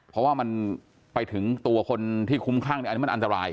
เพราะว่ามันไปถึงตัวคนที่คุ้มคลั่งอันนี้มันอันตราย